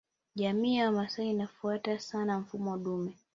Jamii ya Wamasai inafuata sana mfumoo dume